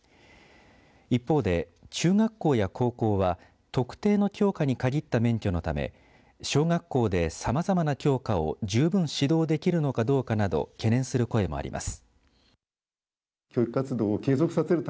一方で、中学校や高校は特定の教科に限った免許のため小学校で、さまざまな教科を十分指導できるのかどうかなど懸念する声もあります。